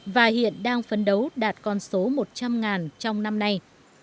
và hiện đang phấn đấu đạt con số một trăm linh trong năm nay